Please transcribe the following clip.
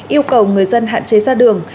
yêu cầu người dân hạn chế ra đường